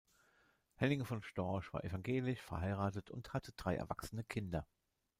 Henning von Storch war evangelisch, verheiratet und hat drei erwachsene Kinder.